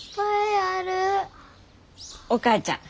お母ちゃん